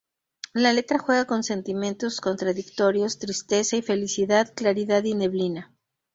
La letra juega con sentimientos contradictorios, tristeza y felicidad, claridad y neblina.